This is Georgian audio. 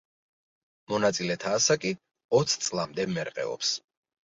მონაწილეთა ასაკი ოც წლამდე მერყეობს.